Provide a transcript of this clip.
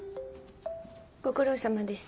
ご苦労さまです。